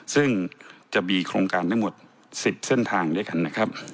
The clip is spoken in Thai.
ซึ่งจะมีโครงการได้หมด๑๐เส้นทางด้วยกัน